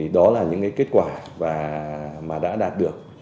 đó là những kết quả mà đã đạt được